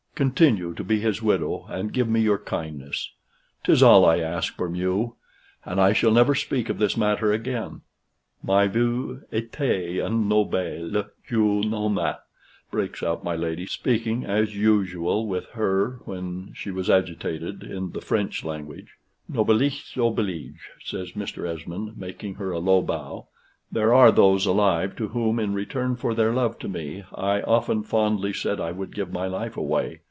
Continue to be his widow, and give me your kindness. 'Tis all I ask from you; and I shall never speak of this matter again." "Mais vous etes un noble jeune homme!" breaks out my lady, speaking, as usual with her when she was agitated, in the French language. "Noblesse oblige," says Mr. Esmond, making her a low bow. "There are those alive to whom, in return for their love to me, I often fondly said I would give my life away.